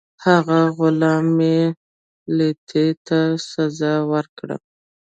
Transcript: هغه غلام علي لیتي ته سزا ورکړه.